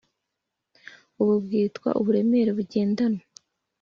ubu bwitwa "uburemere bugendanwa";